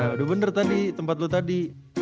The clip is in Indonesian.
udah bener tadi tempat lu tadi